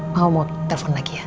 mama mau telfon lagi ya